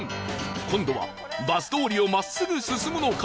今度はバス通りを真っすぐ進むのか？